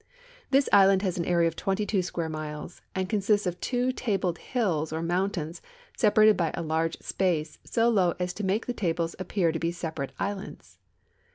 This island has an area of 22 square miles, and consists of two tabled hills or mountains separated by a large space so low as to make the tables appear to be separate islands.